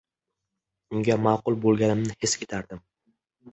Unga ma’qul bo’lganimni his etardim.